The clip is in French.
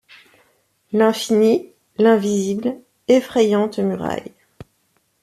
L’infini, l’invisible, effrayantes murailles ;